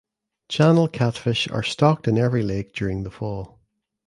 Channel catfish are stocked in every lake during the fall.